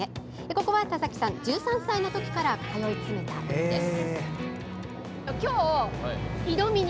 ここは田崎さん１３歳の時から通いつめた海です。